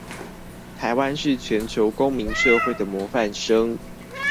臺灣是全球公民社會的模範生